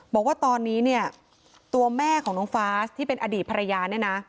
บอกว่าตอนนี้เนี่ยตัวแม่ของน้องฟ้าที่เป็นอดีตภรรยาเนี่ยนะ